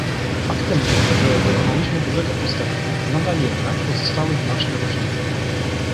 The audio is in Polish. Faktem jest, że dokonaliśmy dużego postępu, nadal jednak pozostały znaczne różnice